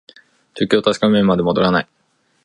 状況を確かめるまで戻らない